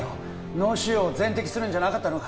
脳腫瘍を全摘するんじゃなかったのか？